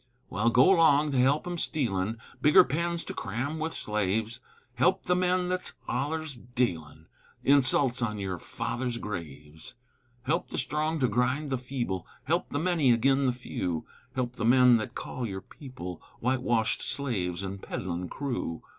Wal, go 'long to help 'em stealin' Bigger pens to cram with slaves, Help the men thet's ollers dealin' Insults on your fathers' graves; Help the strong to grind the feeble, Help the many agin the few, Help the men thet call your people Witewashed slaves an' peddlin' crew!